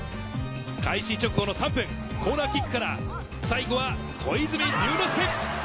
開始直後の３分、コーナーキックから最後は小泉龍之介。